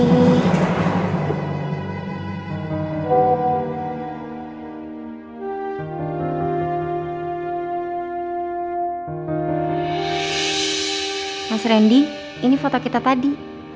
mas randy ini foto kita tadi